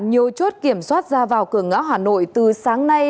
nhiều chốt kiểm soát ra vào cửa ngõ hà nội từ sáng nay